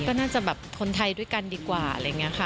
ก็น่าจะแบบคนไทยด้วยกันดีกว่าอะไรอย่างนี้ค่ะ